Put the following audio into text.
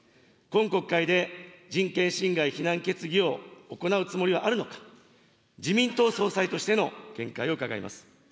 今国会で人権侵害非難決議を行うつもりはあるのか、自民党総裁としての見解を伺います。